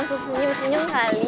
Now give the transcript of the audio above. nggak usah senyum senyum kali